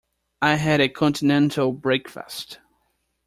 I had a continental breakfast.